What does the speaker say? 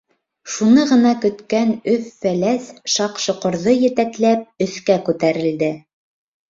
Шуны ғына көткән Өф-Фәләс, Шаҡ-Шоҡорҙо етәкләп, өҫкә күтәрелде.